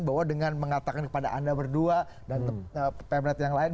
bahwa dengan mengatakan kepada anda berdua dan pemerintah yang lain